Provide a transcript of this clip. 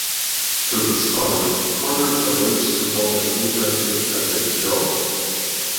Through his father, Carter arranged to hold an internship at the Joh.